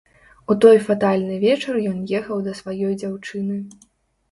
У той фатальны вечар ён ехаў да сваёй дзяўчыны.